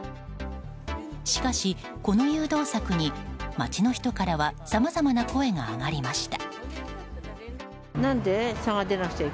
しかし、この誘導策に街の人からはさまざまな声が上がりました。